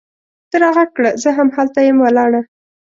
ته راږغ کړه! زه هم هلته یم ولاړه